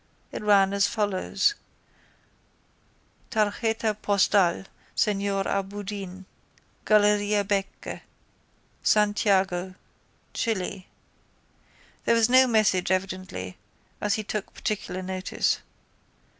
It ran as follows: Tarjeta Postal, Señor A Boudin, Galeria Becche, Santiago, Chile. There was no message evidently, as he took particular notice.